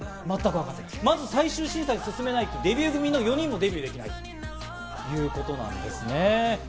まず最終審査に進めないと、デビュー組４人すらもデビューできないということなんですね。